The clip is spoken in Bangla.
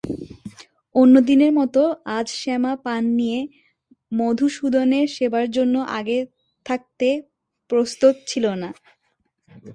অন্যদিনের মতো আজ শ্যামা পান নিয়ে মধুসূদনের সেবার জন্যে আগে থাকতে প্রস্তুত ছিল না।